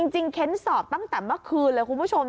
เค้นสอบตั้งแต่เมื่อคืนเลยคุณผู้ชม